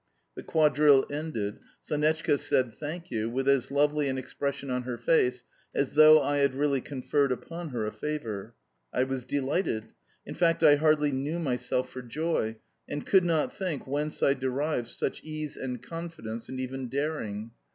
The quadrille ended, Sonetchka said, "Thank you," with as lovely an expression on her face as though I had really conferred, upon her a favour. I was delighted. In fact I hardly knew myself for joy and could not think whence I derived such case and confidence and even daring.